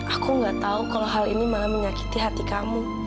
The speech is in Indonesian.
aku nggak tahu kalau hal ini malah menyakiti hati kamu